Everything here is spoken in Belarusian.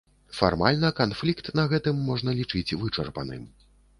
Фармальна, канфлікт на гэтым можна лічыць вычарпаным.